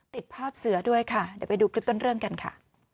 ติดภาพเสือด้วยค่ะเดี๋ยวไปดูคลิปต้นเรื่องกันค่ะ